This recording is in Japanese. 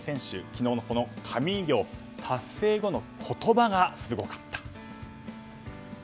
昨日のこの神偉業の達成後の言葉がすごかった。